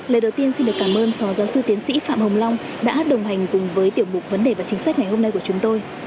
lời đầu tiên xin được cảm ơn phó giáo sư tiến sĩ phạm hồng long đã đồng hành cùng với tiểu mục vấn đề và chính sách ngày hôm nay của chúng tôi